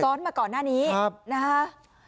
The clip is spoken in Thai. มาก่อนหน้านี้นะคะ